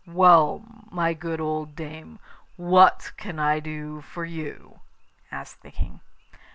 'Well, my good old dame, what can I do for you?' asked the King.